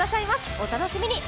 お楽しみに。